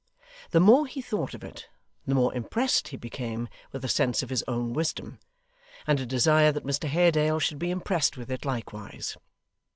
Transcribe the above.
The more he thought of it, the more impressed he became with a sense of his own wisdom, and a desire that Mr Haredale should be impressed with it likewise.